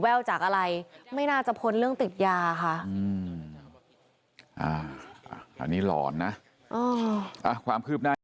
ความคืบใน